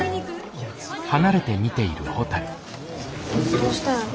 どうしたんやろ？